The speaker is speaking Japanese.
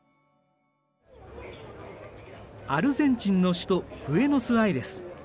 アルゼンチンの首都ブエノスアイレス。